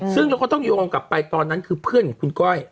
ซึ่งเราก็ต้องโยงกลับไปตอนนั้นคือเพื่อนของคุณก้อย